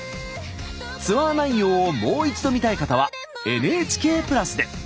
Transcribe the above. ツアー内容をもう一度見たい方はＮＨＫプラスで。